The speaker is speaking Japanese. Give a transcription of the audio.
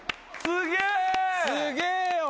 すげえよ！